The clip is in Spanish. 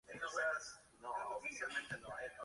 Cambiaba los nombres de los cuentos y de los personajes.